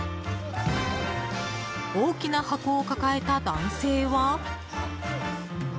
大きな箱を抱えた男性は。